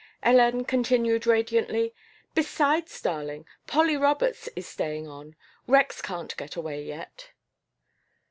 Hélène continued radiantly: "Besides, darling, Polly Roberts is staying on. Rex can't get away yet."